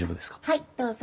はいどうぞ。